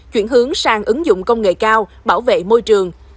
chuyển hướng sang ứng dụng công nghệ cao bảo vệ môi trường